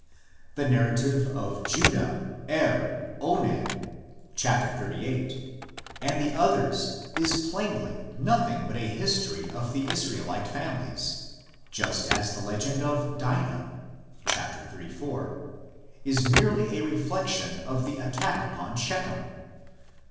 The narrative of Judah, Er, Onan (xxxviii.) and the others is plainly nothing but a history of the Israel ite families, just as the legend of Dinah (xxxiv.) is merely a reflexion of the attack upon Shechem.